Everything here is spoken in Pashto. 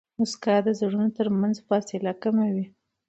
موسکا د زړونو ترمنځ فاصله کموي.